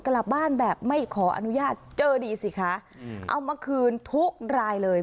กลับบ้านแบบไม่ขออนุญาตเจอดีสิคะเอามาคืนทุกรายเลย